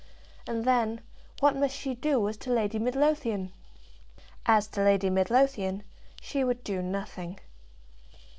And, then, what must she do as to Lady Midlothian? As to Lady Midlothian, she would do nothing.